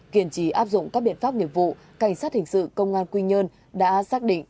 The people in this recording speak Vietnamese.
kiên trì áp dụng các biện pháp nghiệp vụ cảnh sát hình sự công an quy nhơn đã xác định